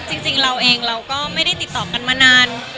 จริงเราเองเราก็ไม่ได้ติดต่อกันมานาน